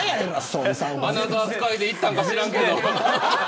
アナザースカイで行ったんか知らんけど。